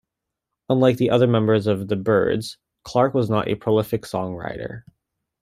Unlike the other members of the Byrds, Clarke was not a prolific songwriter.